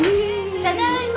ただいま。